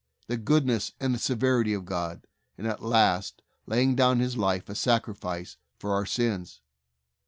the goodness and the severity of God, and at last laying down His life a sacrifice for our sins.